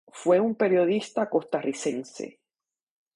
Fue un periodista costarricense.